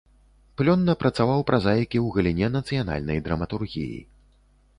Плённа працаваў празаік і ў галіне нацыянальнай драматургіі.